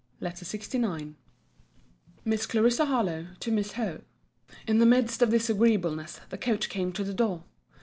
LETTER LXIX MISS CLARISSA HARLOWE, TO MISS HOWE In the midst of this agreeableness, the coach came to the door.